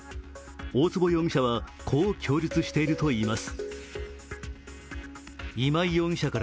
大坪容疑者はこう供述しているといいます。